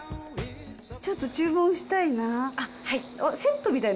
ちょっと注文したいな。